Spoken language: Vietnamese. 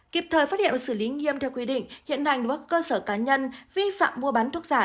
kịp thời phát hiện và xử lý nghiêm theo quy định hiện hành đối với các cơ sở cá nhân vi phạm mua bán thuốc giả